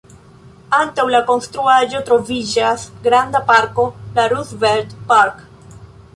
Antaŭ la konstruaĵo troviĝas granda parko, la „Roosevelt Park”.